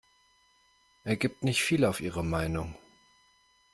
Er gibt nicht viel auf ihre Meinung.